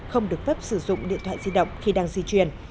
không được phép sử dụng điện thoại di động khi đang di chuyển